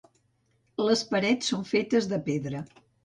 Les parets són fetes de pedra.